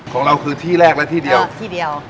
ของเราคือที่แรกและที่เดียว